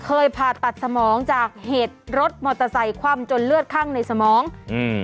ผ่าตัดสมองจากเหตุรถมอเตอร์ไซค์คว่ำจนเลือดข้างในสมองอืม